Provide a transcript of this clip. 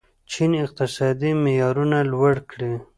چین اقتصادي معیارونه لوړ کړي.